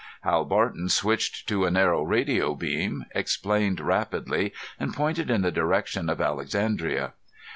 Hal Barton switched to a narrow radio beam, explained rapidly and pointed in the direction of Alexandria.